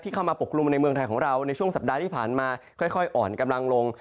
เข้ามาปกคลุมในเมืองไทยของเราในช่วงสัปดาห์ที่ผ่านมาค่อยอ่อนกำลังลง